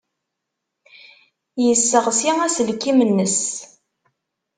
Yesseɣsi aselkim-nnes.